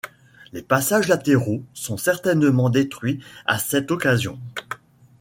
Les passages latéraux sont certainement détruit à cette occasion.